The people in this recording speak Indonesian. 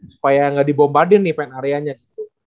supaya ga dibombadin nih paint area nya gitu